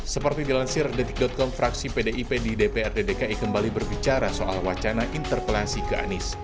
seperti dilansir detik com fraksi pdip di dprd dki kembali berbicara soal wacana interpelasi ke anies